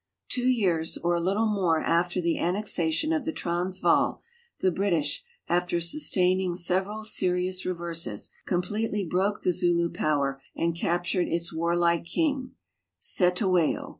Two years or a little more after the annexation of the Trans vaal the British, after sustaining several serious reverses, com ))letely broke the Zulu power and captured its Avarlike king, CetewaA'o.